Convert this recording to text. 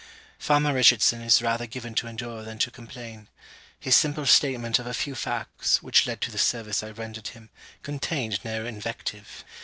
Farmer Richardson is rather given to endure than to complain. His simple statement of a few facts, which led to the service I rendered him, contained no invective.